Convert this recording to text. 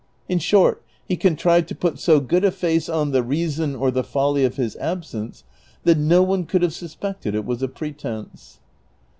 In short he contrived to put so good a face on the reason, or the folly, of his absence that no one could have suspected it was a pretence.